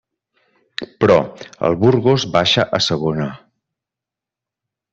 Però, el Burgos baixa a Segona.